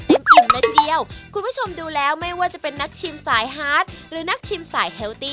ขอบคุณมากเลยครับ